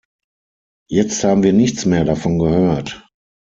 Jetzt haben wir nichts mehr davon gehört.